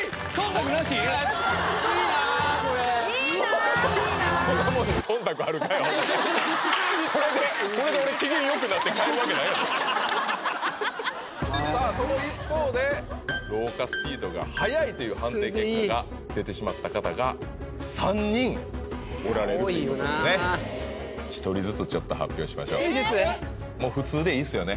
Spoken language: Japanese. いいなこれこんなもんにこれで俺さあその一方で老化スピードが早いという判定結果が出てしまった方が３人おられるということですね多いよな１人ずつちょっと発表しましょう１人ずつ⁉もう普通でいいですよね